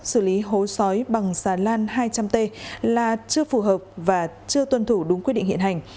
xử lý hối xói bằng xà lan hai trăm linh t là chưa phù hợp và chưa tuân thủ đúng quy định hiện hành